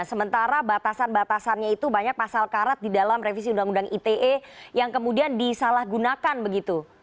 sementara batasan batasannya itu banyak pasal karat di dalam revisi undang undang ite yang kemudian disalahgunakan begitu